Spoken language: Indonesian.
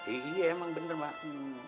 iya iya emang bener mak